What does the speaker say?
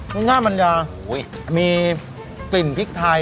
ง่ายมันจะมีกลิ่นพริกไทย